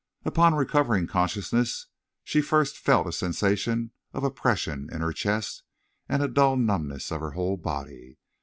Upon recovering consciousness she first felt a sensation of oppression in her chest and a dull numbness of her whole body.